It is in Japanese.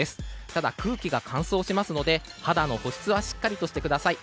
ただ、空気が乾燥しますので肌の保湿はしっかりとしてください。